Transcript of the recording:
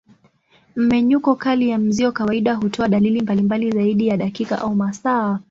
Mmenyuko kali ya mzio kawaida hutoa dalili mbalimbali zaidi ya dakika au masaa.